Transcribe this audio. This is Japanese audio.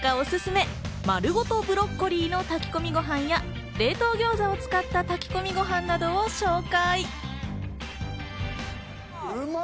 前回はブロッコリー農家オススメ、丸ごとブロッコリーの炊き込みご飯や、冷凍餃子を使った炊き込みご飯などを紹介。